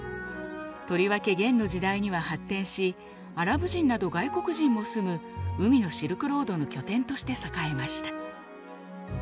とりわけ元の時代には発展しアラブ人など外国人も住む「海のシルクロード」の拠点として栄えました。